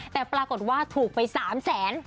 แต่ปรากฏว่าถูกไป๓แสน